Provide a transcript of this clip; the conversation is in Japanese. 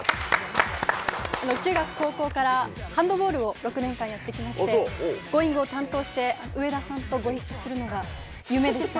中学、高校からハンドボールを６年間やってきまして、Ｇｏｉｎｇ！を担当して、上田さんとご一緒するのが夢でした。